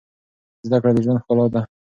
زده کړه د ژوند ښکلا ده.